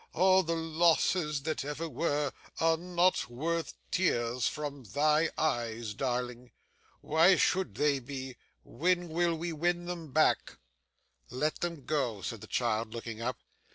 All the losses that ever were, are not worth tears from thy eyes, darling. Why should they be, when we will win them back?' 'Let them go,' said the child looking up.